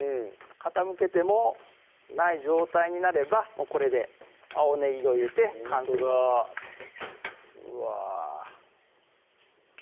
傾けてもない状態になればもうこれで青ねぎを入れて完成になりますうわ